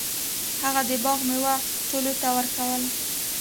هغه د باغ میوه ټولو ته ورکوله.